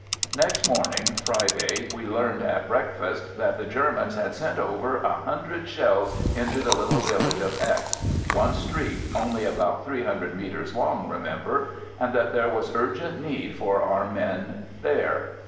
Next morning, Friday, we learned at breakfast that the Germans had sent over a hundred shells into the little village of X (one street, only about three hundred metres long, remember !) and that there was urgent need for our men there.